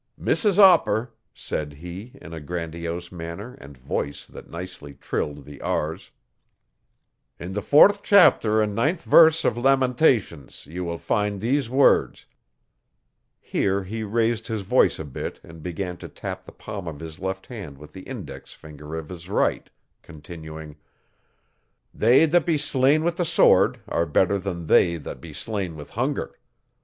'Mrs Opper,' said he, in a grandiose manner and voice that nicely trilled the r's, 'in the fourth chapter and ninth verse of Lamentations you will find these words here he raised his voice a bit and began to tap the palm of his left hand with the index finger of his right, continuing: "They that be slain with the sword are better than they that be slain with hunger.